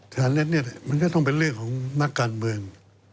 ฐานเล็ดเนี่ยมันก็ต้องเป็นเรื่องของนักการเมือง